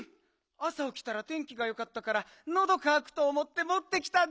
あさおきたら天気がよかったからのどかわくとおもってもってきたんだった。